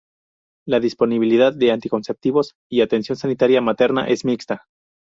La disponibilidad de anticonceptivos y atención sanitaria materna es mixta.